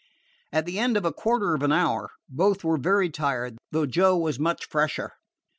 At the end of a quarter of an hour, both were very tired, though Joe was much fresher.